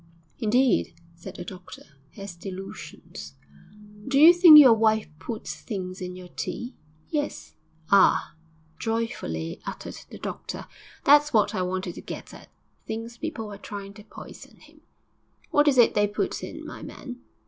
'Indeed!' said the doctor. 'Has delusions. Do you think your wife puts things in your tea?' 'Yes.' 'Ah!' joyfully uttered the doctor, 'that's what I wanted to get at thinks people are trying to poison him. What is it they put in, my man?'